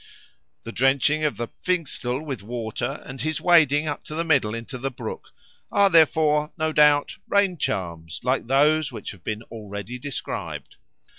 The drenching of the Pfingstl with water and his wading up to the middle into the brook are, therefore, no doubt rain charms like those which have been already described.